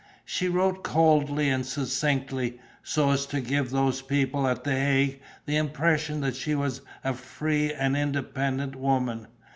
She wrote coldly and succinctly, so as to give those people at the Hague the impression that she was a free and independent woman.